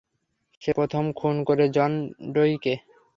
সে প্রথম খুন করে জন ডোইকে।